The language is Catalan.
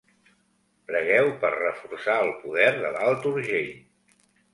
Pregueu per reforçar el poder de l'Alt Urgell.